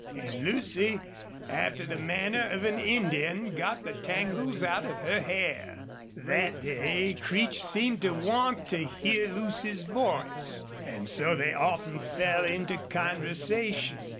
And Lucy, after the manner of an Indian, got the tangles out of her hair. That day Creech seemed to want to hear Lucy's voice, and so they often fell into conversation.